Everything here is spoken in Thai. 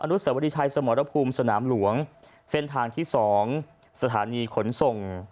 สวริชัยสมรภูมิสนามหลวงเส้นทางที่สองสถานีขนส่ง